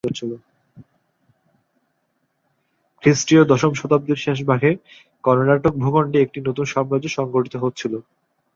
খ্রিস্টীয় দশম শতাব্দীর শেষভাগে কর্ণাটক ভূখণ্ডে একটি নতুন সাম্রাজ্য সংগঠিত হচ্ছিল।